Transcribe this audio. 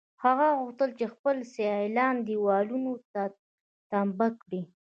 هغه غوښتل چې خپل سیالان دېوالونو ته تمبه کړي